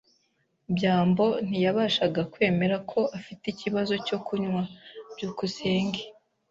byambo ntiyashakaga kwemera ko afite ikibazo cyo kunywa. byukusenge